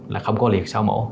là không có liệt sau mổ